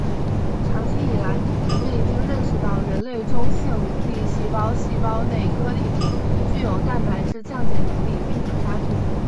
长期以来人们已经认识到人类中性粒细胞细胞内颗粒体具有蛋白质降解能力并可杀菌。